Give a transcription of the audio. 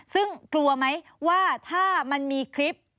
ซึ่งกลัวไหมว่าถ้ามันมีคลิป